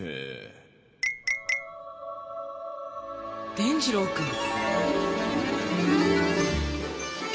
伝じろうくん。